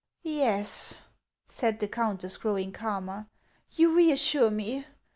" Yes," said the countess, growing calmer, " you reassure me.